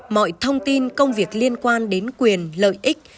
mọi thông tin công việc liên quan đến quyền lợi ích